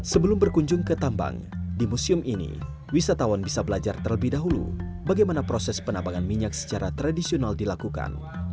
sebelum berkunjung ke tambang di museum ini wisatawan bisa belajar terlebih dahulu bagaimana proses penambangan minyak secara tradisional dilakukan